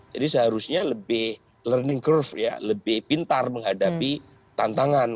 jadi seharusnya lebih learning curve ya lebih pintar menghadapi tantangan